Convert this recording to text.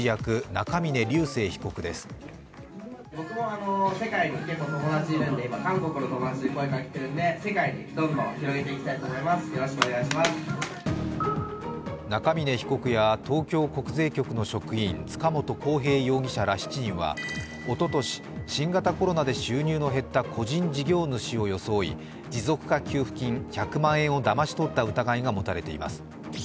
中峯被告や、東京国税局の職員塚本晃平容疑者ら７人はおととし、新型コロナで収入の減った個人事業主を装い持続化給付金１００万円をだまし取った疑いが持たれています。